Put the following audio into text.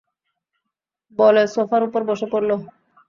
বলে সোফার উপর বসে পড়ল।